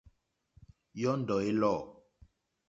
Yɔ́ndɔ̀ é lɔ̂.